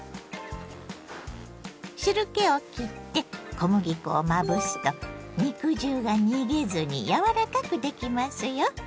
汁けをきって小麦粉をまぶすと肉汁が逃げずにやわらかくできますよ。